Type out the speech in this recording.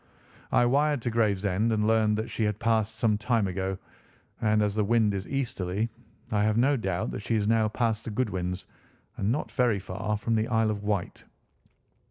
I wired to Gravesend and learned that she had passed some time ago, and as the wind is easterly I have no doubt that she is now past the Goodwins and not very far from the Isle of Wight."